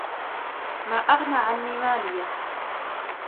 مَا أَغْنَى عَنِّي مَالِيَهْ